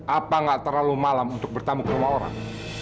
apa gak terlalu malam untuk bertamu ke rumah orang